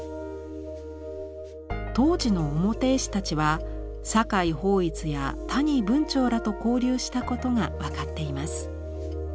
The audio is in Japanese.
当時の表絵師たちは酒井抱一や谷文晁らと交流したことが分かっています。